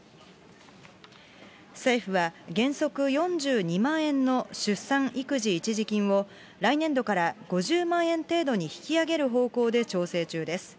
政府は原則４２万円の出産育児一時金を、来年度から５０万円程度に引き上げる方向で調整中です。